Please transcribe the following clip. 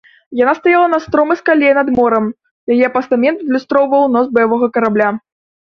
Яна стаяла на стромай скале над морам, яе пастамент адлюстроўваў нос баявога карабля.